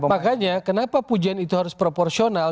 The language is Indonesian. makanya kenapa pujian itu harus proporsional